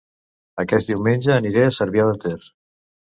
Aquest diumenge aniré a Cervià de Ter